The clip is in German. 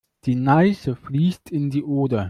Die Neiße fließt in die Oder.